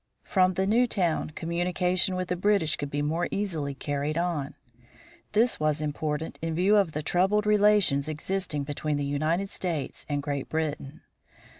From the new town communication with the British could be more easily carried on. This was important in view of the troubled relations existing between the United States and Great Britain.